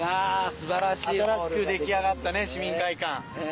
新しく出来上がった市民会館。